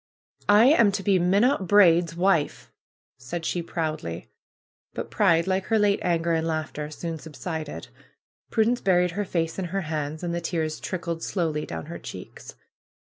"I am to be Minot Braid's wife!" said she proudly. But Pride, like her late anger and laughter, soon subsided. Prudence buried her face in her hands, and the tears trickled slowly down her cheeks.